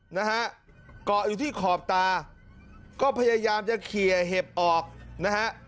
นะฮะเกาะอยู่ที่ขอบตาก็พยายามจะเคลียร์เห็บออกนะฮะ